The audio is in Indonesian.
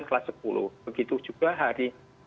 kelas sepuluh begitu juga hari